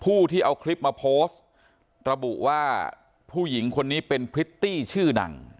ผู้ที่เอาคลิปมาโพสต์ระบุว่าผู้หญิงคนนี้เป็นพริตตี้ชื่อดัง